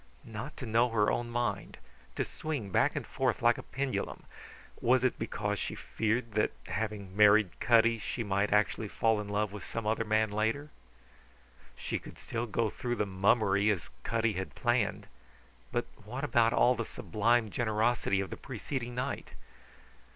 Not to know her own mind, to swing back and forth like a pendulum! Was it because she feared that, having married Cutty, she might actually fall in love with some other man later? She could still go through the mummery as Cutty had planned; but what about all the sublime generosity of the preceding night?